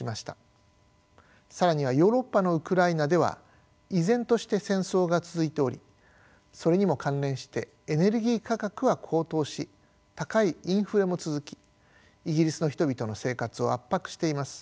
更にはヨーロッパのウクライナでは依然として戦争が続いておりそれにも関連してエネルギー価格は高騰し高いインフレも続きイギリスの人々の生活を圧迫しています。